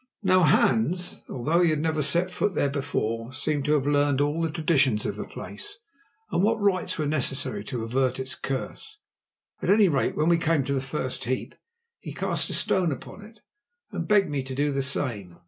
Now, Hans, although he had never set foot there before, seemed to have learned all the traditions of the place, and what rites were necessary to avert its curse. At any rate, when we came to the first heap, he cast a stone upon it, and begged me to do the same.